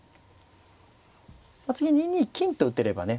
次２二金と打てればね